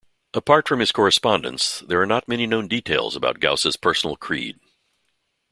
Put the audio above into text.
Apart from his correspondence, there are not many known details about Gauss' personal creed.